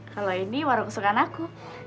kalau ini warna kesukaan aku